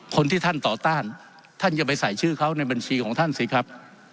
คนที่ท่านต่อต้านท่านจะไปใส่ชื่อเขาในบัญชีของท่านสิครับ